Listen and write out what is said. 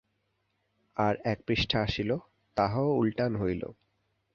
আর এক পৃষ্ঠা আসিল, তাহাও উলটান হইল।